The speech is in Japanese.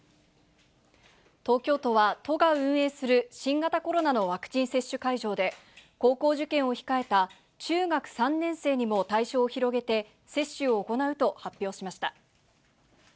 東京都は都が運営する新型コロナのワクチン接種会場で、高校受験を控えた中学３年生にも対象を広げて、接種を行うと発表しました。